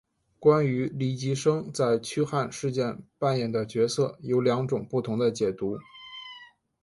关于黎吉生在驱汉事件扮演的角色有两种不同解读。